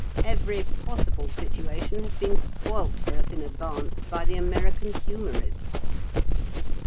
Every possible situation has been spoilt for us in advance by the American humorist."